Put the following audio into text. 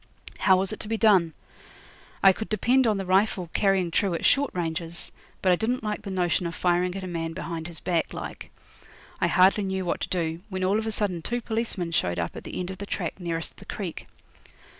How was it to be done? I could depend on the rifle carrying true at short ranges; but I didn't like the notion of firing at a man behind his back, like. I hardly knew what to do, when all of a sudden two policemen showed up at the end of the track nearest the creek.